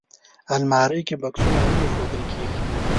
الماري کې بکسونه هم ایښودل کېږي